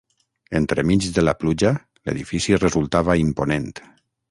Entremig de la pluja, l'edifici resultava imponent.